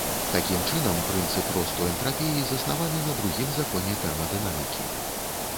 Такім чынам, прынцып росту энтрапіі заснаваны на другім законе тэрмадынамікі.